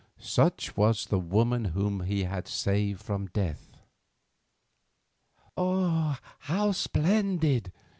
Such was the woman whom he had saved from death. "Oh, how splendid!"